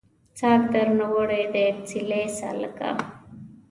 ساګ درنه وړی دی سیلۍ سالکه